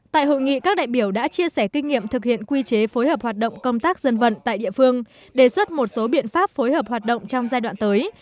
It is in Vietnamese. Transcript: tại hội nghị các đại biểu đã chia sẻ kinh nghiệm thực hiện quy chế phối hợp hoạt động công tác dân vận tại địa phương đề xuất một số biện pháp phối hợp hoạt động trong giai đoạn tới